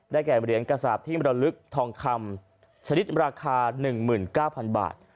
แก่เหรียญกระสาปที่มรลึกทองคำชนิดราคา๑๙๐๐บาท